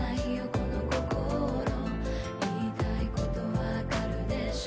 この心言いたい事わかるでしょ？